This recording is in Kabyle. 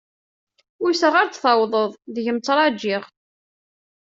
Uyseɣ ar d-tawḍeḍ, deg-m ttrajiɣ.